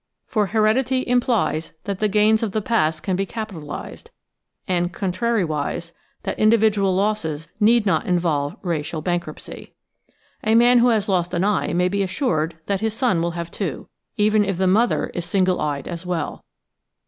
For heredity implies that the gains of the past can be capitalised; and, contrariwise, that individual losses need not involve racial bankruptcy. A man who has lost an eye may be assured that his son will have two, even if the mother is single eyed as well.